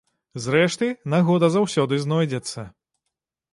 Зрэшты, нагода заўсёды знойдзецца.